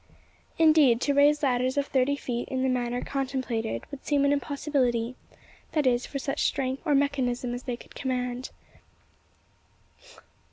Indeed, to raise ladders of thirty feet in the manner contemplated, would seem an impossibility that is, for such strength or mechanism as they could command.